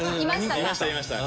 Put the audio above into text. いましたね。